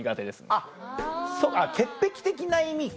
あっ潔癖的な意味か。